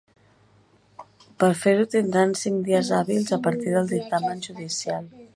Per fer-ho tindran cinc dies hàbils a partir del dictamen judicial.